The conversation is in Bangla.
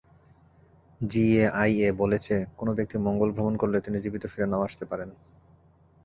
জিএআইএই বলছে, কোনো ব্যক্তি মঙ্গল ভ্রমণ করলে তিনি জীবিত ফিরে না-ও আসাতে পারেন।